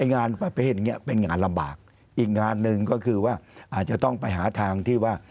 งานประเภทเนี้ยเป็นงานลำบากอีกงานหนึ่งก็คือว่าอาจจะต้องไปหาทางที่ว่า